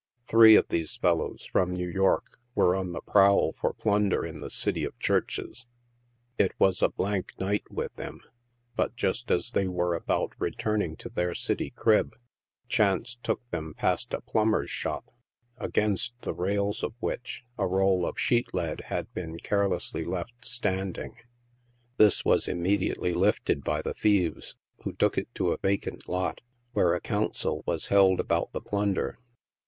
Three of these fel lows, from New York, were on the prowl for plunder in the City of Churches. It was a blank night with them ; but just as they were about returning to their city crib, chance took them past a plumber's shop, against the rails of which a roll of sheet lead had been care lessly left standing. This wa3 immediately lifted by the thieves, who took it to a vacant lot, where a council was held about the plunder.